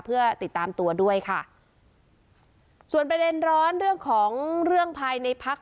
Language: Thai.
เพื่อติดตามตัวด้วยค่ะส่วนประเด็นร้อนเรื่องของเรื่องภายในพัก